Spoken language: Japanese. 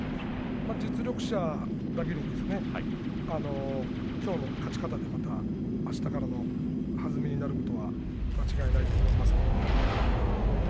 実力者だけにきょうの勝ち方で、あしたからのはずみになることは間違いないと思います。